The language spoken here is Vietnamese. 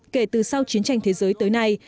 kể từ sau chiến tranh thế giới tới nay